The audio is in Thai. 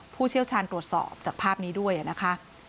ผู้เชี่ยวชาญตรวจสอบจากภาพนี้ด้วยนะคะ